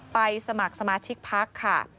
ไปสมัครสมาชิกภักดิ์ค่ะ